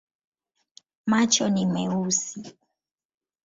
Macho ni meusi.